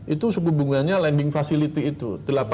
itu suku bunganya lending facility itu delapan